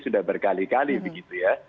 sudah berkali kali begitu ya